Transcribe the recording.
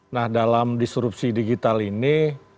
nah dalam disrupsi digital ini